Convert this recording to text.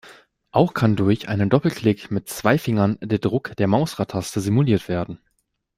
Auch kann durch einen Doppelklick mit zwei Fingern der Druck der "Mausrad-Taste" simuliert werden.